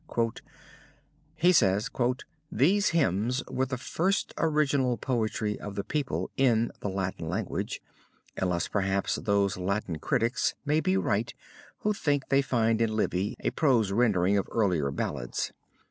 "These hymns," he says, "were the first original poetry of the people in the Latin language, unless perhaps those Latin critics may be right who think they find in Livy a prose rendering of earlier ballads.